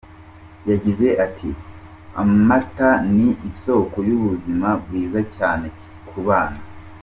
Yagize ati “Amata ni isoko y’ubuzima bwiza cyane cyane ku bana.